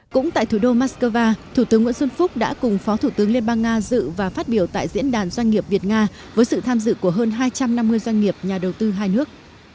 cũng tại thủ đô moscow thủ tướng nguyễn xuân phúc đã cùng phó thủ tướng liên bang nga dự và phát biểu tại diễn đàn doanh nghiệp việt nga với sự tham dự của hơn hai trăm năm mươi doanh nghiệp nhà đầu tư hai nước